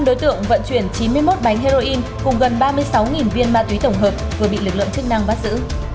năm đối tượng vận chuyển chín mươi một bánh heroin cùng gần ba mươi sáu viên ma túy tổng hợp vừa bị lực lượng chức năng bắt giữ